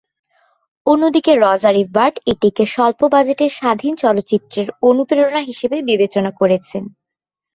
অন্যদিকে Roger Ebert এটিকে স্বল্প বাজেটের স্বাধীন চলচ্চিত্রের অনুপ্রেরণা হিসেবে বিবেচনা করেছেন।